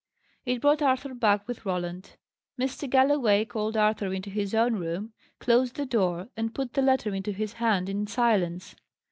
It brought Arthur back with Roland. Mr. Galloway called Arthur into his own room, closed the door, and put the letter into his hand in silence.